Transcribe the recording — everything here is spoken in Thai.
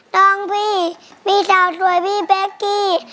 น้องพี่มีสาวสวยพี่เป๊กกี้